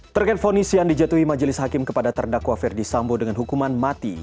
terkait fonis yang dijatuhi majelis hakim kepada terdakwa ferdi sambo dengan hukuman mati